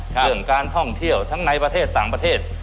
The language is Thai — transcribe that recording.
เรื่องการท่องเที่ยวทั้งในประเทศต่างประเทศ